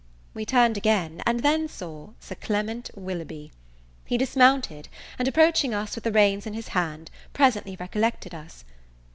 We turned again, and then saw Sir Clement Willoughby. He dismounted; and approaching us with the reins in his hand, presently recollected us.